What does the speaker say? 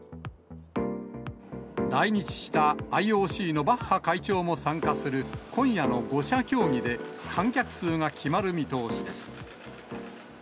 来日したＩＯＣのバッハ会長も参加する今夜の５者協議で、観客数が決まる見通しです。